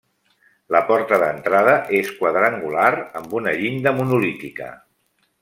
La porta d'entrada és quadrangular, amb una llinda monolítica.